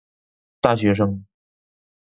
大学生